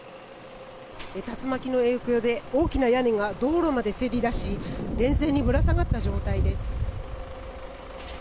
竜巻の影響で大きな屋根が道路までせり出し電線にぶら下がった状態です。